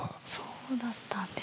そうだったんですか。